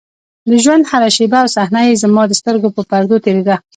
د ژونـد هـره شـيبه او صحـنه يـې زمـا د سـترګو پـر پـردو تېـرېده.